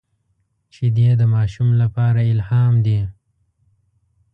شیدې د ماشوم لپاره الهام دي